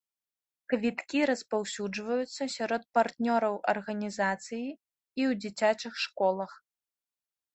Квіткі распаўсюджваюцца сярод партнёраў арганізацыі і ў дзіцячых школах.